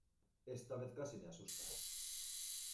Esta vez casi me asustas.